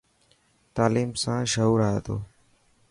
تعليم سان شهو آئي تو.